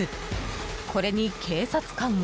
これに警察官が。